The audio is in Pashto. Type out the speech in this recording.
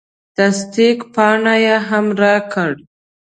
تصدیق پاڼه یې هم راکړه.